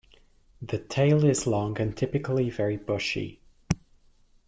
The tail is long and typically very bushy.